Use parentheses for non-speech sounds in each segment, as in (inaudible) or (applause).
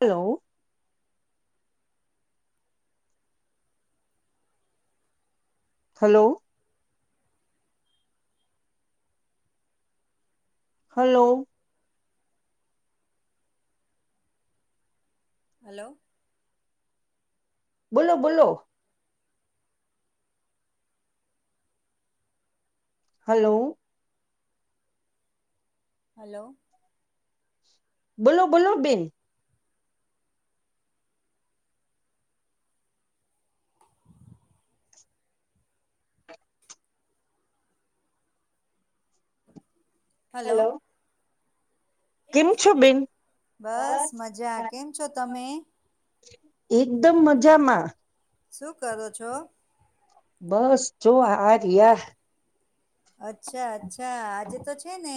Hello hello hello હલોલો બોલો બોલો હલો હલો બોલો બોલોલો બેિન હલો કેમ છો બેન બસ મજા કેમ છો તમે એકદમ મજામાં શું કરો છો બસ જો આ રહિયા અચ્છા અચ્છા આજે તો છે ને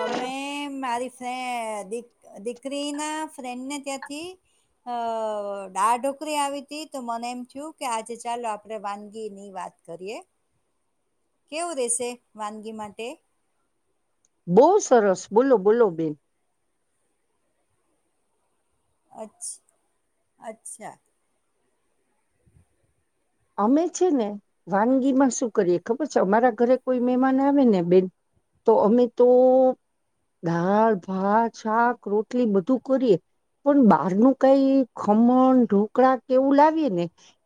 અમે મારી. દીકરી ના ફ્રેન્ડ ને ત્યાંથી અ ડાઢોકરી આવી ત તો મને એમ થયું કે આજે ચાલો આપડે વાનગી નહી વાત વાત કરીએ કેવું રેશે વાનગી માટે બહુ સરસ બોલો બોલો બેિન. અચ્છ અચ્છા અમે છે ને વાનગીમાં શું કરીએ ખબર છે અમારા ઘરે કોઈ મહેમાન આવે ને બેન તો અમે તો દળ ભાત શાક રોટલી બધું કરીએ પણ બહારનું કઈ ખમણ ઢોકળા કેવું લાવીએ ને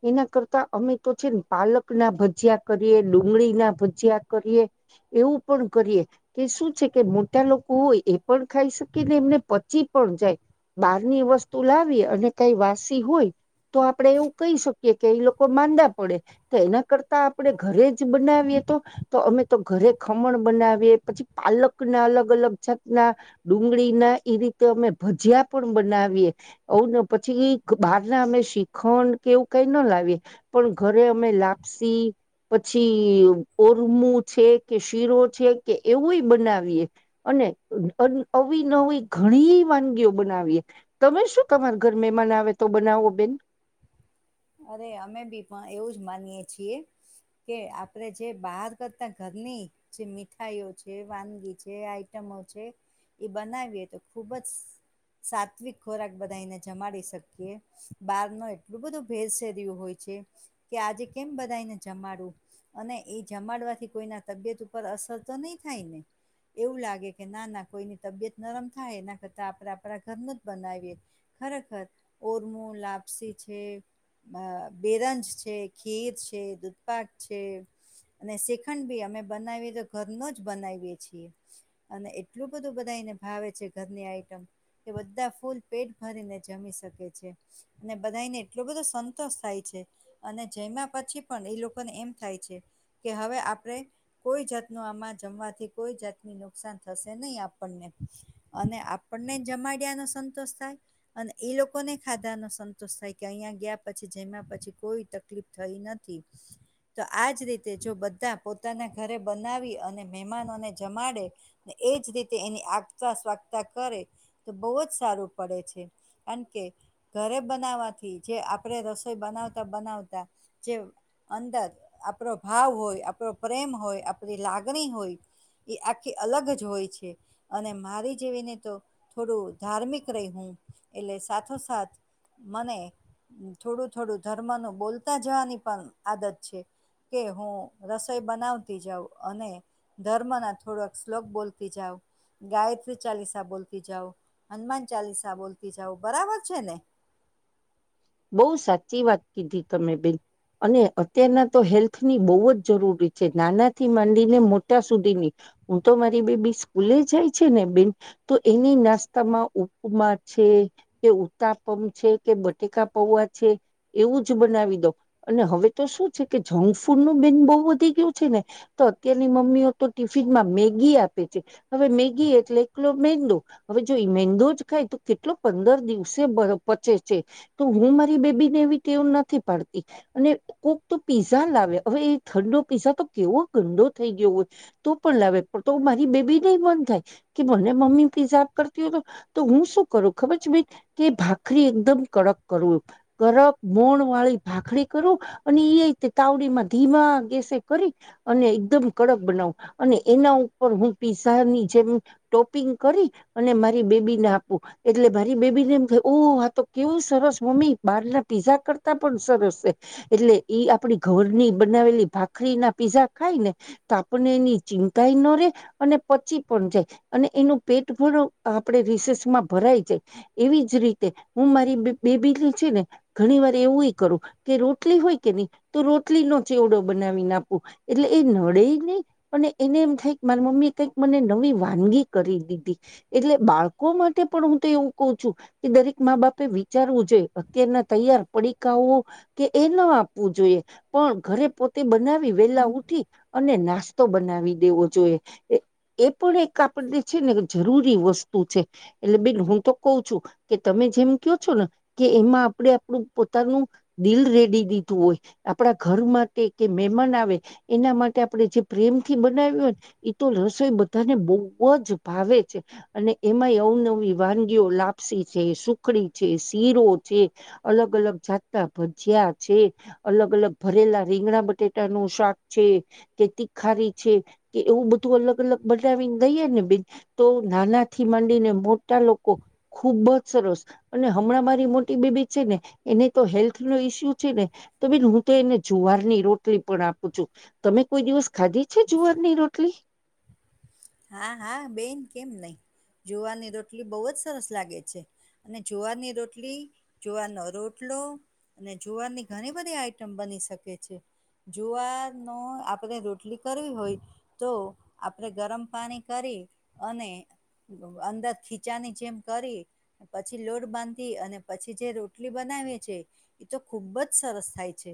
એના કરતા અમે તો છે ને પાલક ના ભજીયા કરીએ ડુંગળી ના ભજયા કરીએ એવું પણ પણ કરીએ કે શું છે કે મોટા લોકો હોય એ પણ ખાઈ શકી ને એમને પચી પણ જાય બહારની વસ્તુ લાવી અને કઈ વાસી હોય તો આપડે એવું કહી શકીએ કે એ લોકો માંા પડે તો એના કરતા આપણે ઘરે જ બનાવીએ તો તો અમે તો ઘરે ખમણ...................................................... બનાવી પછી પાલક ના અલગ અલગ જાત ના ડુંગળી ના એ રીતે અમે ભજીયા પણ બનાવીએ પછી બહાર ના અમે શીખણ કે એવું કઈ ન લાવીએ પણ ઘરે અમે લાપસી પછી ઓરમું છે કે શીરો છે કે એવુંય બનાવીએ અને અ ન ઘણી વાનગીઓ બનાવીએ તમે શું તમારા ઘર મમાન આવે તો બનાવો બેન. અરે અમે બી પણ એવું જ માનીએે છીએ. કે આપડે જે બહાર કરતા ઘરની જે મીઠાઈઓ છે વાનગી છે આઈટમ એ બનાવીએ તો ખુબ જ સાત્વિક ખોરાક બધાને જમાડી શકીએ બાર નો એટલું બધું ભેરસે રહ્યું હોય છે કે આજે કેમ બધને જમાડું અને એ જમાડવાથી કોઈના તબિયત ઉપર અસર તો નહી થાય ને એવું લાગે કે ના ના કોઈની તબિયત નરમ થાય એના કરતા આપણે આપણા ઘર ન બનાવીએ. ખરેખર ઓરમું લાપસી છે. અ બેરંજ છે ખીર છે દૂધપક છે. અને શ્રીખંડ ભી અમે બનાવીએ તો ઘરનો જ બનાવીએ છીએ. અને એટલું બધું બધા એને ભાવે છે ઘરની આઈટમ એ બધા ફૂલ પેટ ભરીને જમી શકે છે અને બધાને એટલો બધો સંતોષ થાય છે અને જેમાં પછી પણ એ લોકોને એમ થાય છે કે હવે. આપે કોઈ જાત ન આમાં જમવાથી કોઈ જાતને નુકસાન થશે નહી આપણને અને આપણને જમાડયા નો સંતોષ થાય અને એ લોકોને ખાધા નો સંતોષ થાય કે અહીંયા ગયા પછી જમ્યા પછી કોઈ તકલીફ થઈ નથી. તો આજ રીતે જો બધા પોતાના ઘરે બનાવી અને મહેમાનોને જમાડે ને એ જ રીતે એની આગતા સ્વાગતા કરે તો બહુ જ સારું પડે છે. કાન કે ઘરે બનાવા થી જે આપણેે રસોઈ બનાવતા બનાવતા જે અંદર આપડો ભાવ હોય આપડો પ્રેમ હોય આપડી લાગણી હોય એ આખી અલગ જ હોય છે અને મારી જેવીને તો થોડું ધાર્મિક રહી હું એટલે સાથોસાથ મને હમ્મ થોડું થોડું ધર્મા નો બોલતા જવાની પણ આદત છે. કે હું રસોઈ બનાવતી જાઉં અને ધર્મ ના થોડોક શ્લોક બોલતી જાવ ગાયત્રી ચાલીસા બોલતી જાઓ, હનુમાન ચાલીસા બોલતી જાવ બરાબર છે ને? (inaudible) બહુ સાચી વાત કીધી તમે બેન. અને અત્યારના તો હેલ્થની બહુ જ જરૂરી છે, નાનાથી માંડીને મોટા સુધીની. હું તો મારી બેબી સ્કૂલે જાય છે ને બેન તો એની નાસ્તામાં ઉપમા છે કે ઉતાપંમ છે, કે બ ટેકા પૌવા છે, એવું જ બનાવી દો અને હવે તો શું છે કે જંક ફૂડ નું બેન બહુ વધી ગયું છે ને તો અત્યારની મમ્મીઓ તો ટિફિનમાં મેગી આપે છે, હવે મેગી એટલે એકલો મેંદો હવે જો એ મેંદો જ ખાય તો કેટલો પંદર દિવસે બર પચે છે. તો હું મારી બેબી ને એવી ટેવ નથી પાડતી અને કોક તો પીઝા લાવે હવે એ ઠંડો પીસા તો કેવો ગંદો થઈ ગયો હોય તો પણ લાવે. તો મારી બેબી ને ઈ મન થાય કે મને મમ્મી પિઝા આપ કરતી હો હતો તો હું શું કરું ખબર છે બેન કે ભાખરી એકદમ કડક કરું કરક મોણ વાળી ભાખડી કરું અને એ રીતે તાવડીમાં ધીમા ગેસ સે કરી અને એકદમ કડક બનાઉ અને એના ઉપર હું પીસાની જેમ ટો પિંગ કરી અને મારી બેબીને આપું એટલે મારી બેબીને એમ થે ઓ આ તો કેવું સરસ મમ્મી બહાર ના પીઝા કરતા પણ સરસ છે, એટલે ઈ આપણી ઘરની બનાવેલી ભાખ રી ના પીઝા ખાય ને તો આપને એની ચિંતાઈ ન રે અને પછી પણ જાય અને એ એનું પેટ ભરું આપે રિસેસમાં ભરાઈ જાય એવી જ રીતે હું મારી બે બેબીલી છે ને ઘણી વાર એવુંય કરું કે રોટલી હોય કે નહી તો રોટલી નો ચવડો બના નાવીને આપું. એટલે એ નડે નહી એને એમ થાય મારી મમ્મી કઈક મને નવી વાનગી કરી દીધી એટલે બાળકો માટે પણ હું તો એવું કહું છું કે દરેક મા બાપે એ વી ચારવું જોઈએ એના અત્યારના તૈયાર પડીકાઓ કે એ ના આપવું જોઈએ. પણ ઘરે પોત તે બનાવી વેલા ઉઠી અને નાસ્તો બનાવી દેવો જોઈએ એ એ પણ એક આપણને છે ને જરૂરી વસ્તુ છે એટલે બેન હું તો કહ છું કે તમે કે જેમ ક્યો છો ના કે એમાં આપણે આપણું પોતાનું દિલ રેડી દીધું હોય આપણા ઘર માટે એ કે મેમાન આવે એના માટે આપણે જે પ્રેમથી બનાવ્યું હોય એતો રસોઈ બધાને બહુ બહુજ ભાવે છે અને એમાંય આવ નવી વાનગીઓ લાપસી છે, સુખડી છે, શીરો છે અલગ અલગ જાતતા ભજયા છે, અલગ અલગ ભરેલા રી રીંગણા બટેટા નું શાક છે, કે તીખારી છે કે એવું બધું અલગ અલગ બનાવી ગઈએ ને બિન તો નાના થી માંડીને મોટા લોકો ખુબ જ સરસ અને હમણાં મારી મોટી બેબી છે ને એને તો હેલ્થ ન ઈસ્યુ છે ને તો બેન હું તો એને જોવા વારની રોટલી પણ આપું છું તમે કોઈ દિવસ ખાધી છે જુવારની રોટલી? હા હા બેન કેમ નહી જોવાર રોટલી બહુ જ સરસ લાગે છે. અને જોવાર ની રોટલી જોવાર નો રોટલો અને જુવારની ઘણી બધી આઈટમ બની શકે છે. જોવારા નો આપડે રોટલી કરવી હોય તો આપડે ગરમ પાણી કરી અને અંદર ખીચાની જેમ કરી પછી લોડ બાંધી અને પછી જે રોટલી બના- - છે એ તો ખુબ જ સરસ થાય છે.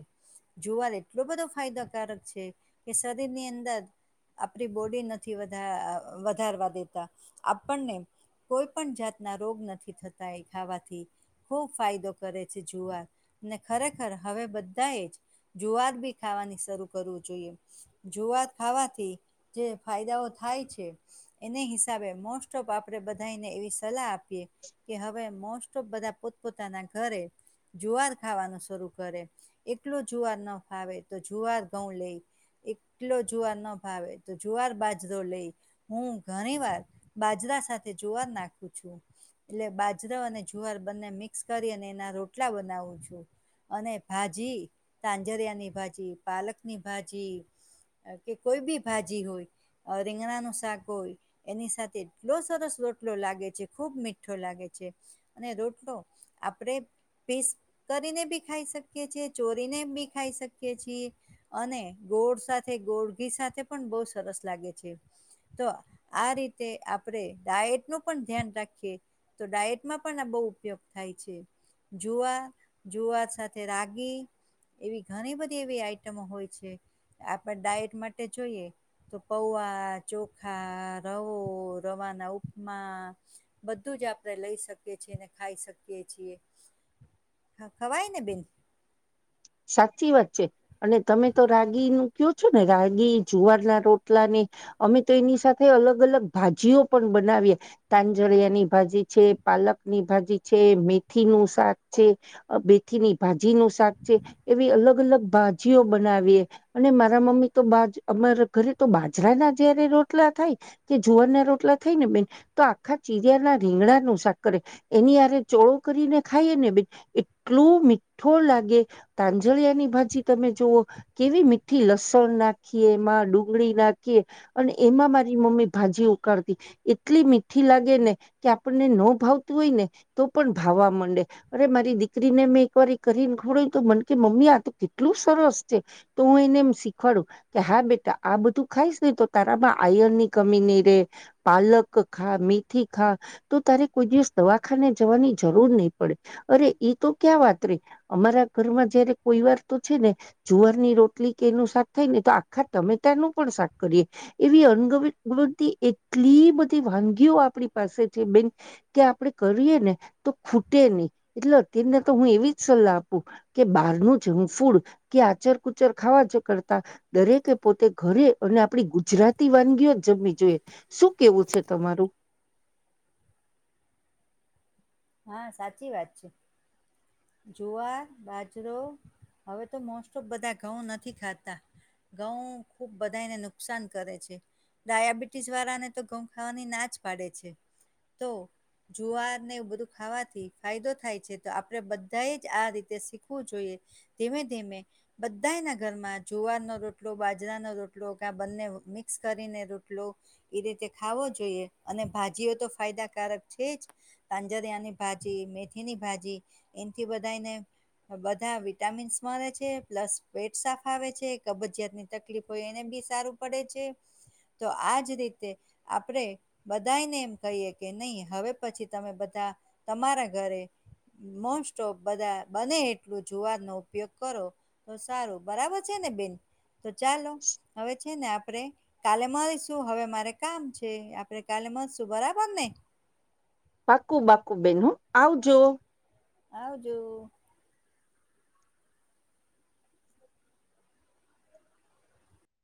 જુવાર એટલો બધો ફાયદાકારક છે કે શરીર ની અંદર- - આપડી બોડી નથી વધા વધારવા દેતા આપણને- - કોઈ પણ જાતના રોગ નથી થતા એ ખાવાથી- - ખૂબ ફાયદો કરે છે, જુવાર ખરેખર હવે બધા એ જ- - જુવાર બી ખાવાની શરૂ કરવું જોઈએ જુવાર ખાવાથી જે ફાયદાઓ- - થાય છે, એને હિસાબે મોસ્ટ ઓફ આપણે બધાને એવી સલાહ આપ- - કે હવે મોસ્ટ ઓફ બધા પોતપોતાના ઘરે- - જુવાર ખાવાનું શરૂ કરે એકલો જુવાર ના ખાવે તો જુવાર ઘઉં લઈ- - એટલો જુવાર ન ભાવે તો જુવાર બાજુ- - લ હું ઘણી વાર બાજરા સાથે જોવા નાખું છું. એટલે બાજરો અને જુવાર બંને મિક્સ કરી અને એના રોટલા બનાવું છું. અને ભાજી તાંજરિયા ની ભાજી પાલક ની ભાજી- - કે કોઈ બી ભાજી હોય રીંગણા નુ શાક હોય એની સાથે એટલો સરસ રોટલો લાગે છે ખુબ મીઠો લાગે છે અને રોટલો આપડે પેસ કરીને બી ખાઈ શકીએ છેએ ચોરીને બી ખાઈ શકીએ છીએ અને ગોળ સાથે ગોળ ઘી સાથે પણ બહુ સરસ લાગે છે તો આ રીતે આપણેે ડાયટ નું પણ ધ્યાન રાખીએ તો ડાયટમાં પણ આ બહુ ઉપયોગ થાય છે જુઆ જુઆ સાથે રાગી એવી ઘણી બધી એવી આઈટમો હોય છે આપણે ડાયટ માટે જોઈએ તો પૌઆ ચોખા રવો રવાના ઉપમા બધું જ આપડે લઈ શકીએ ખાઈ શકીએ ખવાય ને બેન સાચી વાત છે અને તમે તો રાગી નું કયો છો ને રાગી જુવારના રોટલા ને અમે તો એની સાથે અલગ અલગ ભાજીઓ પણ બનાવીએ તાંજરિયાની ભાજી છે પાલક પક ની ભાજી છે મેથી નું શાક છે બેથીની ભાજી નું શાક છે એવી અલગ અલગ ભાજીઓ બનાવીએ અને મારા મમ્મી તો બા અમારા ઘરે તો બાજરા ના જયારે રોટલા થાય કે જુવાર ના રોટલા થાય ને બેન તો આખા ચીરિયા ના રીંગણા નુ શાકરે એની આરે ચોળો કરીને ખાઈએ ને બે એટલું મીઠો લાગે તાંજળિયાની ભાજી તમે જુઓ કેવી મીઠી લસણ નાખીએ એમાં ડુંગળી નાખ એમાં મારી મમ્મી ભાજી ઉકાળતી એટલી મીઠી લાગે ને કે આપને ન ભાવતું હોય ને તો પણ ભાવવા માંડે અરે મારી દીકરીને મેં એક વાર કરીને ખવડાય તો મન કે મમ્મી આ તો કેટલું સરસ છે તો હું એને એમ શીખવાડું કે હા બેટા આ બધું ખાય ન તો તારામાં આયન ની કમી નહી રે પાલક ખા મેીથી ખા તો ત કોઈ દિવસ દવાખાને જવાની જરૂર નહી પડે અરે એ તો ક્યાં વાત રે અમારા ઘરમાં જયારે કોઈ વાર તો છે ને જુવાર ની રોટલી કેનું સાથ થાય ને તો આખા ટામેટા નું પણ શાક કરીયે એવી અગતી એટલી બધી વાનગીઓ આપણી પાસે છે બેન કે આપડે કરીએ ને તો ખૂટે નહી એટલે તેમને તો હું એવી જ સલાહ આપ પુ કે બહારનું જેવું ફૂડ કે આચર કુચર ખાવા જ કરતા દરેકે પોતે ઘર નુ અરે અને આપડી ગુજરાતી વાનગીઓ જ જમવી જોઈએ શું કેવું છે તમારું હા સાચી વાત છે જુવાર બાજરો હવે તો મોસ્ટ ઓફ બધા ઘઉં નથી ખાતા ઘઉ ખુબ બધાને નુકસાન કરે છે ડાયાબિટીસ વાળા ને તો ઘઉં ખાવાની ના જ પાડે છે તો જુવાર ને એવું બધું ખાવાથી ફાયદો થાય છે તો આપણે બધાએ જ આ રીતે શીખવું જોઈએ ધીમે ધીમે બધા ના ઘરમાં જુવાર નો રોટલો બાજરા નો રોટલો કે બંને મિક્સ કરીને રોટલો એ રીતે ખાવો જોઈએ અને ભાજીઓ તો ફાયદાકારક છે જ જરિયાની ભાજી મેથીની ભાજી એથી બધાને બધા વિટામીન્સ મળે છે પ્લસ પેટ સાફ આવે છે કબજયાત ની તકલીફ હોય એને સારું પડે છે તો આજ રીતે આપડે બધાને એમ કહીએ કે નહી હવે પછી તમે તમારા ઘરે મોસ્ટ ઓફ બધા બને એટલું જુવાર નો ઉપયોગ કરો તો સારું બરાબર છે ને બેન તો ચાલો હવે છે ને આપ આપે કાલે મળરીશું હવે મારે કામ છે આપે કાલે મળશું બરાબર ને (inaudible) બાકુ બાકુ બેન હ આવજો આવ જો